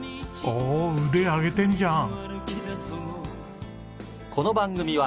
おお腕上げてんじゃん！